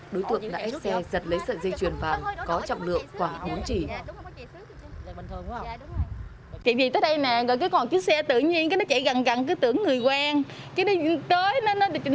đối tượng đã ép xe giật lấy sợi dây chuyền vàng có trọng lượng khoảng bốn trí